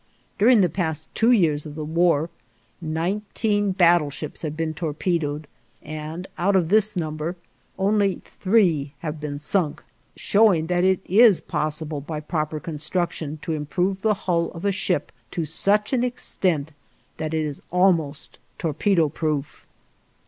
During the past two years of the war, nineteen battleships have been torpedoed, and out of this number only three have been sunk, showing that it is possible by proper construction to improve the hull of a ship to such an extent that it is almost torpedo proof.